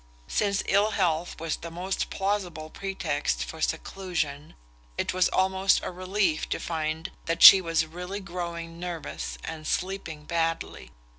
Since ill health was the most plausible pretext for seclusion, it was almost a relief to find that she was really growing "nervous" and sleeping badly.